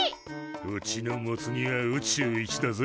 うちのモツ煮は宇宙一だぜ。